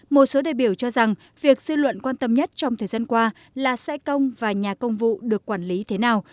một số đại biểu cho rằng việc dư luận quan tâm nhất trong thời gian qua là xe công và nhà công vụ được quản lý thế nào